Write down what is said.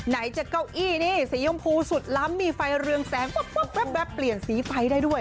ไหนจะเก้าอี้นี่สียมพูสุดล้ำมีไฟเรืองแสงเปลี่ยนสีไฟได้ด้วย